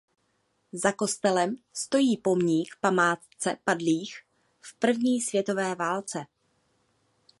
Za kostelem stojí pomník památce padlých v první světové válce.